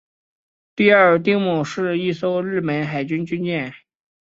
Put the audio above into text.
第二丁卯是一艘日本海军军舰。